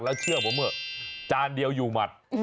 แล้วเชื่อผมเถอะจานเดียวอยู่หมัด